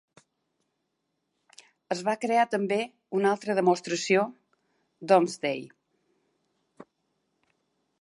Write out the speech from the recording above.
Es va crear també una altra demostració, "Domesday".